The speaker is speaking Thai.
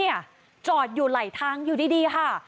จอดอยู่ไหลทางอยู่ดีค่ะ